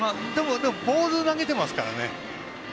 ボールを投げていますから。